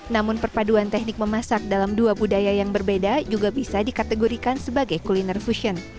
namun perpaduan teknik memasak dalam dua budaya yang berbeda juga bisa dikategorikan sebagai kuliner fusion